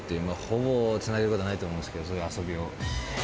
ほぼつなげることはないと思うんですけど。